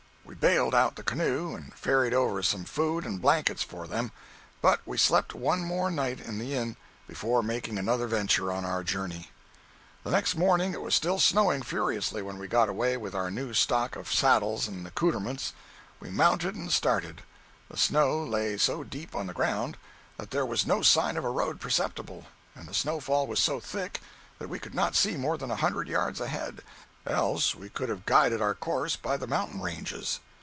We baled out the canoe and ferried over some food and blankets for them, but we slept one more night in the inn before making another venture on our journey. The next morning it was still snowing furiously when we got away with our new stock of saddles and accoutrements. We mounted and started. The snow lay so deep on the ground that there was no sign of a road perceptible, and the snow fall was so thick that we could not see more than a hundred yards ahead, else we could have guided our course by the mountain ranges.